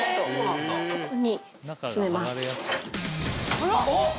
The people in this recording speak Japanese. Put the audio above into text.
あら？